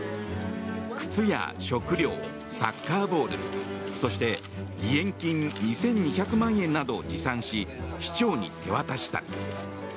靴や食料、サッカーボールそして義援金２２００万円などを持参し市長に手渡した。